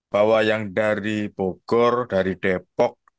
bahwa yang dari bogor dari depok